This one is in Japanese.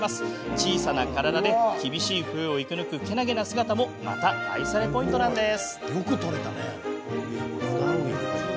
小さな体で厳しい冬を生き抜くけなげな姿もまた愛されポイントです。